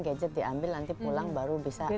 gadget diambil nanti pulang baru bisa